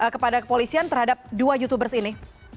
kepada kepolisian terhadap dua youtubers ini